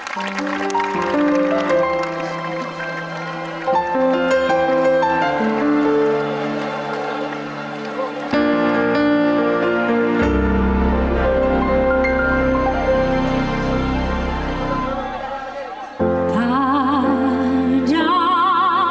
pada munagri kami berjanji